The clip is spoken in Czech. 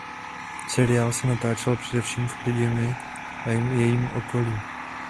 Seriál se natáčel především v Chrudimi a jejím okolí.